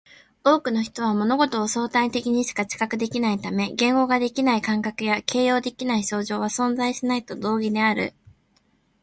多くの人は物事を相対的にしか知覚できないため、言語化できない感覚や形容できない症状は存在しないと同義である